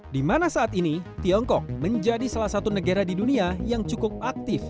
di mana saat ini tiongkok menjadi salah satu negara di dunia yang cukup aktif